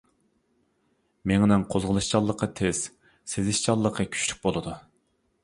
مېڭىنىڭ قوزغىلىشچانلىقى تېز، سېزىشچانلىقى كۈچلۈك بولىدۇ.